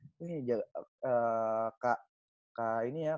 ini kak ini ya kak hans gak boleh